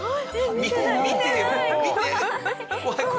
見て見て！